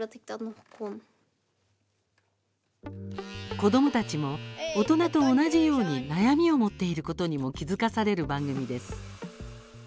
子どもたちも大人と同じように悩みを持っていることにも気付かされる番組です。